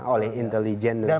oleh intelijen dan sebagainya